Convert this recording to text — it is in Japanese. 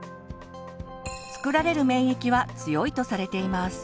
作られる免疫は強いとされています。